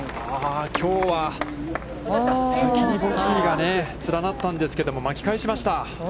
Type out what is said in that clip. きょうは先にボギーが連なったんですけど巻き返しました。